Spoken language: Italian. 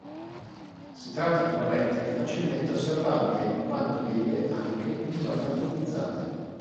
Si tratta di un rettile facilmente osservabile in quanto vive anche in zone antropizzate.